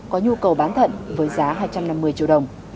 có nhu cầu bán thận với giá hai trăm năm mươi triệu đồng